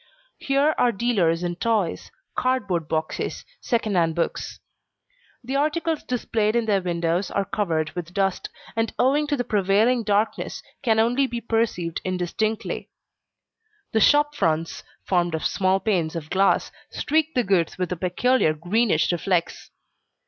Here are dealers in toys, cardboard boxes, second hand books. The articles displayed in their windows are covered with dust, and owing to the prevailing darkness, can only be perceived indistinctly. The shop fronts, formed of small panes of glass, streak the goods with a peculiar greenish reflex.